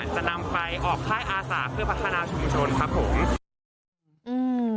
จะนำไปออกท่ายอาศาสตร์เพื่อพัฒนาชุมชนครับผม